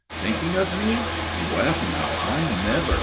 "Thinking of me! Well, now, I never!"